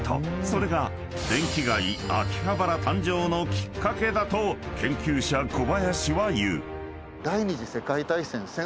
［それが電気街秋葉原誕生のきっかけだと研究者小林は言う］